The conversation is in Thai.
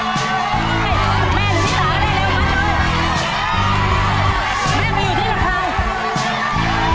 แม่หนูอยู่ในละคร